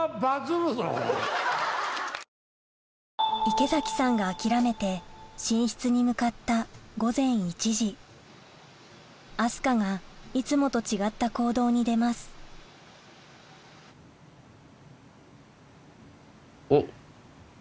池崎さんが諦めて寝室に向かった明日香がいつもと違った行動に出ますおっ。